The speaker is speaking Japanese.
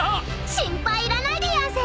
［心配いらないでやんす］